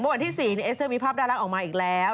เมื่อวานที่๔เอกสต์มีภาพด้าลักษณ์ออกมาอีกแล้ว